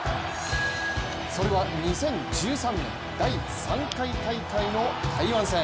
それは２０１３年第３回大会の台湾戦。